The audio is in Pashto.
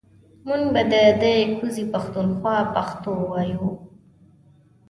مونږ به ده ده کوزې پښتونخوا پښتو وايو